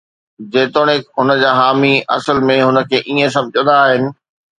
جيتوڻيڪ هن جا حامي اصل ۾ هن کي ائين سمجهندا آهن.